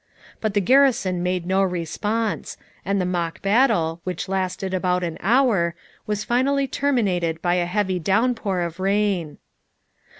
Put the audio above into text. But the garrison made no response, and the mock battle, which lasted about an hour, was finally terminated by a heavy downpour of rain.